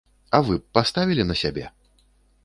А вы б паставілі на сябе?